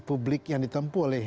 publik yang ditempuh oleh